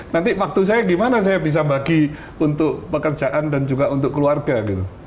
nanti waktu saya gimana saya bisa bagi untuk pekerjaan dan juga untuk keluarga gitu